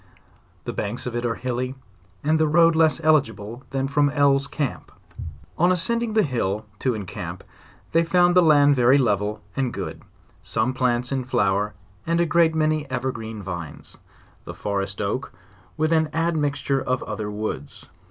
The banks of it are hilly, and the road less eligi ble than from Elles' camp. On ascending the hill, to encamp, they found the land ve ry level and good, some plants in flower,, and a great many evergreen vines; the forest oak with an admixture of other woods.